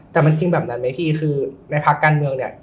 แต่มันจริงแบบนั้นไหมพี่คือในพักการเมืองเนี่ย